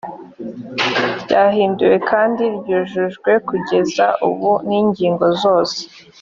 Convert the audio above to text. ryahinduwe kandi ryujujwe kugeza ubu n’ingingo zose